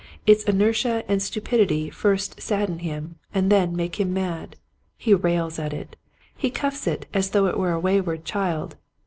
Its inertia and stupidity first sadden him and then make him mad. He rails at it. He cuffs it as though it were a wayward child.